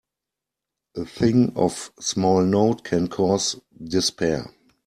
A thing of small note can cause despair.